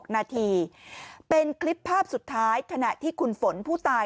นาทีเป็นคลิปภาพสุดท้ายขณะที่คุณฝนผู้ตาย